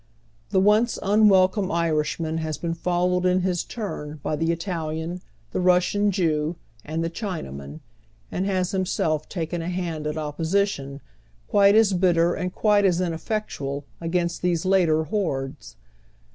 The once unwelcome Irishman has been followed in his turn by the Italian, the Kussian Jew, and tiie Cliinaman, and has himself taken a hand at opposition, quite as bitter and quite as ineffectual, against these later hordes.